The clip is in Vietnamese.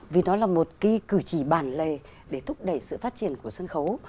vì nó là một cái cử chỉ bản lề để thúc đẩy sự phát triển của sân khấu